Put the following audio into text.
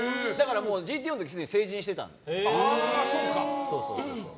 「ＧＴＯ」の時すでに成人してたんです。